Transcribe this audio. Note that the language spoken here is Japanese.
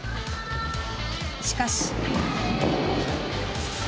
しかし。